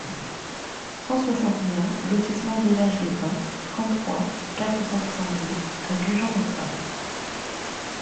cent soixante et un lotissement Village des Pins, trente-trois, quatre cent soixante-dix à Gujan-Mestras